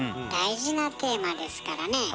大事なテーマですからね